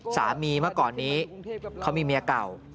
เมื่อก่อนนี้เขามีเมียเก่า